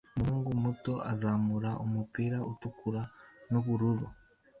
Umuhungu muto azamura umupira utukura nubururu